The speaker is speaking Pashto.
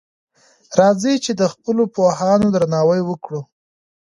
راځئ چی د خپلو پوهانو درناوی وکړو.